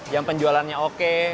yang penjualannya oke